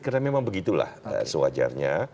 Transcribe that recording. karena memang begitulah sewajarnya